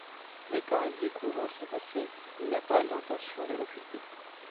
Mais quand il découvre son passé, il n'a pas l'intention de l'occulter.